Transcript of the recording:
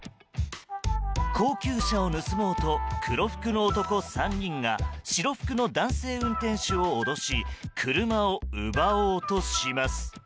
高級車を盗もうと黒服の男３人が白服の男性運転手を脅し車を奪おうとします。